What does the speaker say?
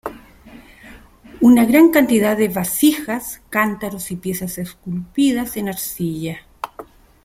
Una gran cantidad de vasijas, cántaros y piezas esculpidas en arcilla.